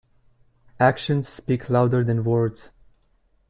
Actions speak louder than words.